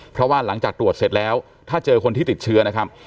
เพราะว่าหลังจากตรวจเสร็จแล้วถ้าเจอคนที่ติดเชื้อนะครับ